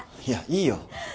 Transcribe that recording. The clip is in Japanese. いやいいよ。